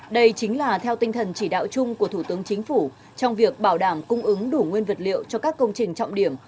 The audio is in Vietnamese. đây chính là theo tinh thần chỉ đạo chung của thủ tướng chính phủ trong việc bảo đảm cung ứng đủ nguyên vật liệu cho các công trình trọng điểm